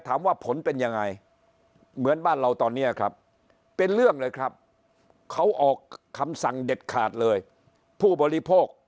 ถามว่าผลเป็นยังไงเหมือนบ้านเราตอนนี้ครับเป็นเรื่องเลยครับเขาออกคำสั่งเด็ดขาดเลยผู้บริโภค